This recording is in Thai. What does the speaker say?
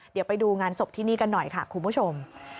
เดี๋ยวไปดูงานศพที่นี่กันหน่อยค่ะคุณผู้ชม